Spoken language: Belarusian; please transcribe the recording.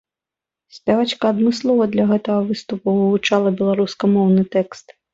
Спявачка адмыслова для гэтага выступу вывучала беларускамоўны тэкст.